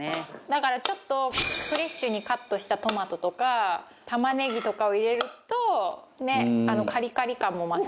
だからちょっとフレッシュにカットしたトマトとか玉ねぎとかを入れるとカリカリ感も増すし。